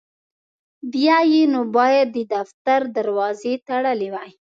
بیا یې نو باید د دفتر دروازې تړلي وای.